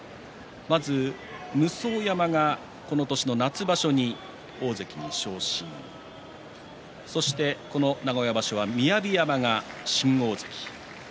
武双山がこの年の夏場所に大関に昇進、そして名古屋場所は雅山が新大関。